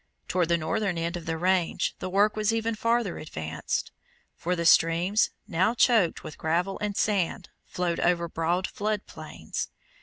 Toward the northern end of the range the work was even farther advanced, for the streams, now choked with gravel and sand, flowed over broad flood plains.